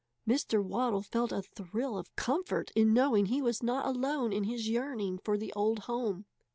Mr. Waddle felt a thrill of comfort in knowing he was not alone in his yearning for the old home.